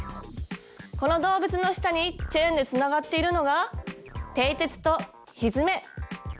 この動物の下にチェーンでつながっているのがてい鉄とひづめ。